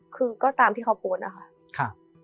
คือก็ตามที่เขาโพสต์นะคะ